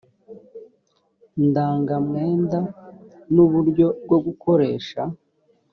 ndangamwenda n uburyo bwo gukoresha